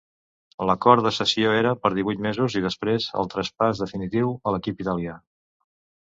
L'acord de cessió era per divuit mesos i després el traspàs definitiu a l'equip italià.